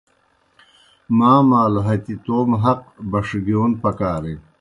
ماں مالوْ ہتیْ توموْ حق بَݜگِیون پکارِن۔